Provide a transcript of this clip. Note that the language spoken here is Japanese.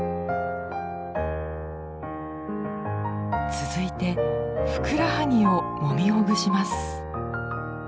続いてふくらはぎをもみほぐします。